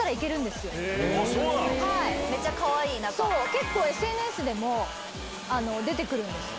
結構ＳＮＳでも出てくるんです。